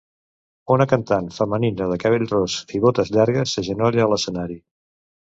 Una cantant femenina de cabell ros i botes llargues s'agenolla a l'escenari.